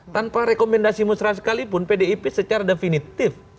tanpa rekomendasi musrah sekalipun pdip secara definitif